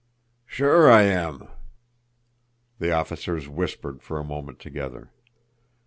"Sure, I am!" The officers whispered for a moment together.